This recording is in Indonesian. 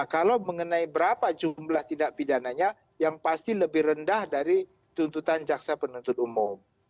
kalau mengenai berapa jumlah tindak pidananya yang pasti lebih rendah dari tuntutan jaksa penuntut umum